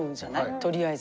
とりあえず。